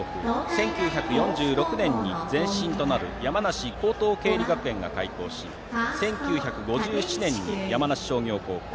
１９４６年に前身となる山梨高等経理学園が開校し１９５７年に山梨商業高校